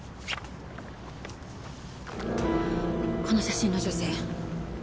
この写真の女性